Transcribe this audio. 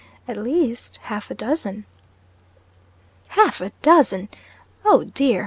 At least half a dozen." "Half a dozen! Oh, dear!